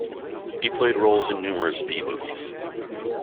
He played roles in numerous B movies.